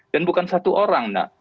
dan bukan satu orang